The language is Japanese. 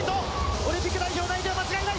オリンピック代表内定間違いない。